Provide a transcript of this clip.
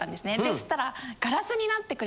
そしたら。